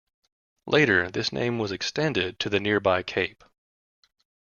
Later this name was extended to the nearby cape.